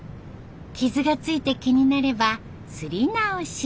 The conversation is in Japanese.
傷がついて気になれば擦り直し。